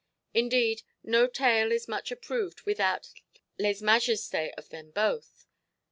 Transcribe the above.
Indeed, no tale is much approved without lèse–majesté of them both.